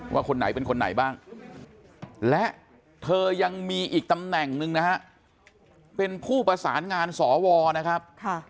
คนไหนเป็นคนไหนบ้างและเธอยังมีอีกตำแหน่งหนึ่งนะฮะเป็นผู้ประสานงานสวนะครับ